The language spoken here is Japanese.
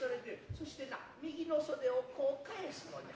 そしてな右の袖をこう返すのじゃ。